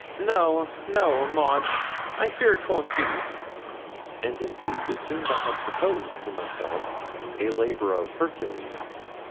'Noa, noa, Maud, I fear 'twon't be.' And indeed it seemed I had proposed to myself a labour of Hercules.